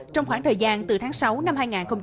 trong khoảng thời gian từ tháng sáu năm hai nghìn hai mươi